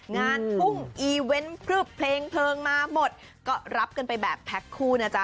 งานพุ่งอีเวนต์พลึบเพลงเพลิงมาหมดก็รับกันไปแบบแพ็คคู่นะจ๊